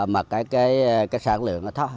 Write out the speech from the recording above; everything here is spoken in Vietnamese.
mà cái sản lượng thấp